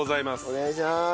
お願いします。